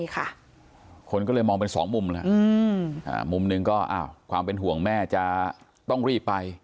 คนก็เลยมองเป็นสองมุมแล้วมุมหนึ่งก็ความเป็นห่วงแม่จะต้องรีบไป